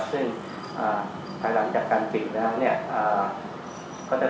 ซึ่งหลังจากการปิดนะครับเนี่ย